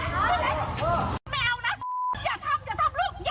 หมกประตัว